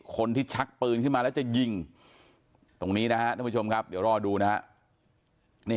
ชักปืนขึ้นมาแล้วจะยิงตรงนี้นะฮะท่านผู้ชมครับเดี๋ยวรอดูนะฮะ